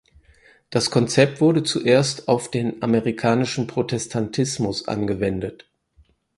Das Konzept wurde zuerst auf den amerikanischen Protestantismus angewendet.